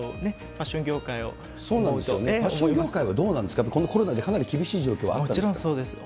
ファッション業界はどうなんですか、このコロナで厳しい状況あったんですか。